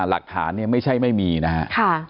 หลักฐานไม่ใช่ไม่มีนะครับ